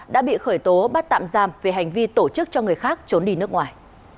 đã bị khởi tố bắt tạm giam về hành vi tổ chức cho người khác trốn đi nước ngoài